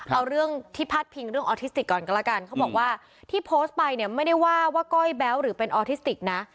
เอาเรื่องที่พาดพิงเรื่องออทิสติกก่อนก็แล้วกันเขาบอกว่าที่โพสต์ไปเนี่ยไม่ได้ว่าว่าก้อยแบ๊วหรือเป็นออทิสติกนะ